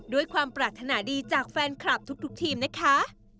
ด้วยความปรารถนาดีจากแฟนคลับทุกทีมนะคะ